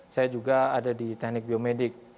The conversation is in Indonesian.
saya juga ada di teknik biomedik